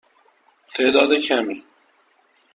تعداد کمی.